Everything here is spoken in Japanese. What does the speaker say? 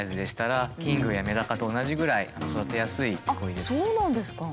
錦鯉はあっそうなんですか。